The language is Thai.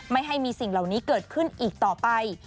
ไม่ให้มีสิ่งเหล่านี้เกิดขึ้นอีกต่อไป